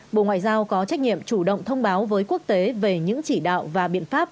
bộ ngoại giao có trách nhiệm chủ động thông báo với quốc tế về những chỉ đạo và biện pháp